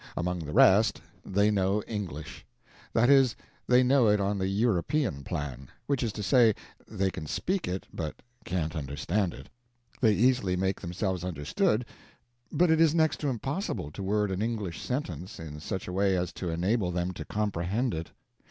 Among the rest, they know English; that is, they know it on the European plan which is to say, they can speak it, but can't understand it. They easily make themselves understood, but it is next to impossible to word an English sentence in such a way as to enable them to comprehend it.